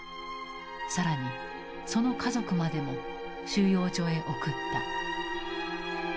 更にその家族までも収容所へ送った。